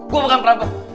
gue bukan perangkap